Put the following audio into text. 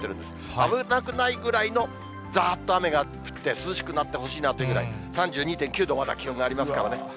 危なくないぐらいのざーっと雨が降って涼しくなってほしいなっていうぐらい、３２．９度、まだ気温ありますからね。